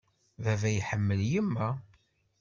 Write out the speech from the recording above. Baba iḥemmel yemma.